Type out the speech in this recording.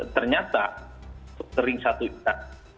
ternyata sering satu isa